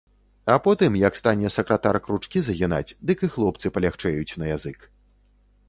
А потым, як стане сакратар кручкі загінаць, дык і хлопцы палягчэюць на язык.